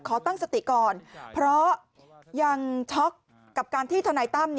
ตั้งสติก่อนเพราะยังช็อกกับการที่ทนายตั้ม